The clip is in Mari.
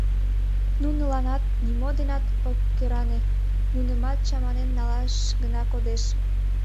Нуныланат нимо денат от кӧране, нунымат чаманен налаш гына кодеш.